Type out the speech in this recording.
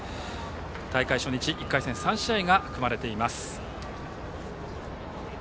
大会初日３試合が組まれています。